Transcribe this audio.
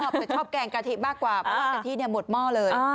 ไปชอบแกงกะทิมากกว่าเพราะว่ากะทิหมดหม้อเลย